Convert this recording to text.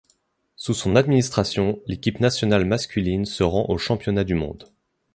Sous son administration, l'équipe nationale masculine se rend aux championnats du monde.